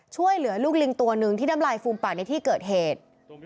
ช่วยเหลือลูกลิงตัวหนึ่งที่น้ำลายฟูมปากในที่เกิดเหตุ